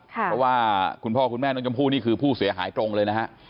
เพราะว่าคุณพ่อคุณแม่น้องชมพู่นี่คือผู้เสียหายตรงเลยนะฮะ